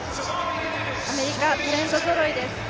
アメリカ、タレントぞろいです。